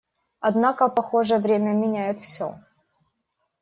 Однако, похоже, время меняет все.